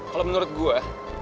kalo menurut gue